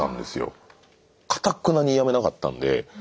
かたくなにやめなかったんで。